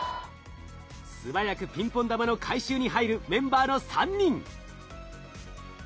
素早くピンポン玉の回収に入るメンバーの３人。